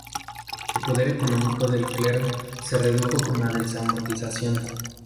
El poder económico del clero se redujo con la desamortización.